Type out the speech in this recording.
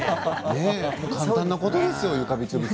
簡単なことですよ。